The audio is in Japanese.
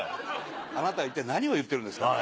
あなたは一体何を言ってるんですかと。